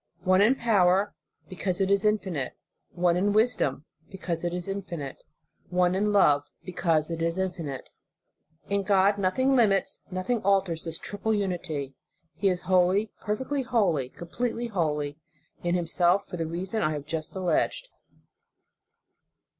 One in power, because it is infinite; one in wisdom, because; it is infinite; one in love, because it is infi 284 The Sign of the Cross. 285 nite. In God nothing limits, nothing alters this triple unity. He is holy, perfectly holy, completely holy in Himself, for the reason I have just alleged.